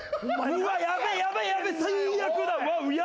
うわやべやべやべ最悪だ！